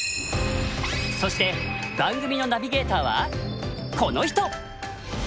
そして番組のナビゲーターはこの人！